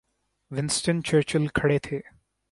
Winston Churchill کھڑے تھے۔